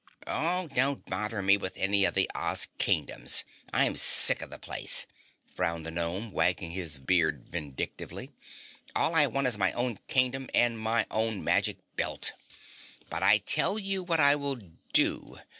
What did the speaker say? "Oh, don't bother me with any of the Oz Kingdoms. I'm sick of the place!" frowned the Gnome, wagging his beard vindictively. "All I want is my own old Kingdom and my own magic belt! But I tell you what I will do.